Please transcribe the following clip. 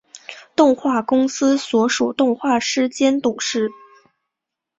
动画公司所属动画师兼董事。